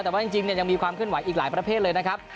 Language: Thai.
แต่ว่าจริงเนี่ยยังมีความขึ้นหวัยอีกหลายประเภทเลยนะครับ